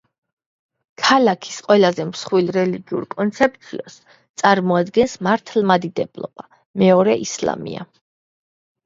ქალაქის ყველაზე მსხვილ რელიგიურ კონცეფციას წარმოადგენს მართლმადიდებლობა, მეორე ისლამია.